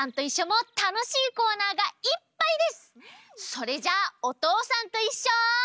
それじゃあ「おとうさんといっしょ」。